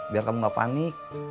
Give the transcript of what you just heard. biar kamu gak panik